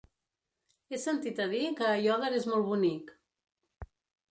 He sentit a dir que Aiòder és molt bonic.